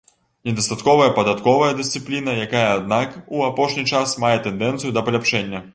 Недастатковая падатковая дысцыпліна, якая, аднак, у апошні час мае тэндэнцыю да паляпшэння.